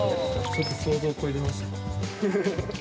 ちょっと想像を超えてますね